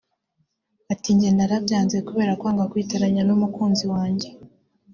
Ati “Jye narabyanze kubera kwanga kwiteranya n’umukunzi wanjye